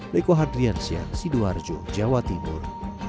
leko hadrian sian sidoarjo jawa timur